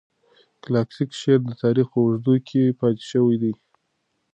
کلاسیک شعر د تاریخ په اوږدو کې پاتې شوی دی.